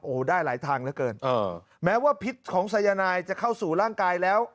โอ้โหได้หลายทางเหลือเกินเออแม้ว่าพิษของสายนายจะเข้าสู่ร่างกายแล้ว